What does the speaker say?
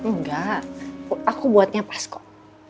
enggak aku buatnya pas kok